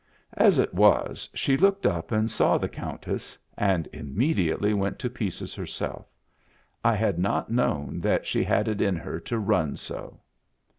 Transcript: As it was, she looked up and saw the Countess — and immediately went to pieces herself. I had not known that she had it in her to run so.